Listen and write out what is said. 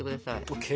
ＯＫ！